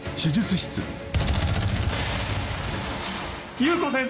裕子先生！